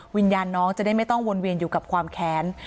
วิญญาณน้องจะได้ไม่ต้องวนเวียนอยู่กับความแค้น